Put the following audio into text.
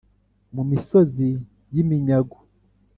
Mu misozi y iminyago